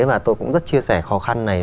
và tôi cũng rất chia sẻ khó khăn này